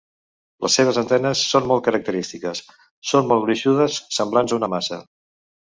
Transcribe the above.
Les seves antenes són molt característiques: són molt gruixudes, semblants a una maça.